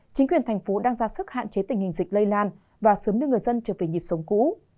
chính quyền thành phố đang ra sức hạn chế tình hình dịch lây lan và sớm đưa người dân trở về nhịp sống cũ